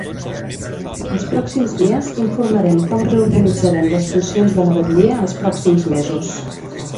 Els pròxims dies informarem com reorganitzarem les funcions de la batllia els pròxims mesos.